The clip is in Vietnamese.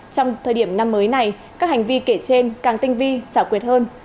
trong thời điểm năm mới này các hành vi kể trên càng tinh vi xảo quyệt hơn